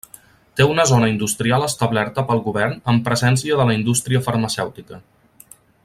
Té una zona industrial establerta pel govern amb presència de la indústria farmacèutica.